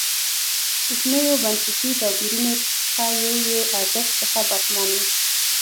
کوچنیو بنسټي توپیرونو څخه یو یې ارزښت څخه برخمن و.